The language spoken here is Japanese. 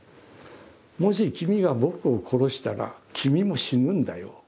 もし君が僕を殺したら君も死ぬんだよ。